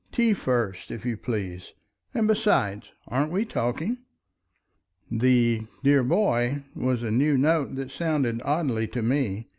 Tea first, if you please! And besides—aren't we talking?" The "dear boy" was a new note, that sounded oddly to me.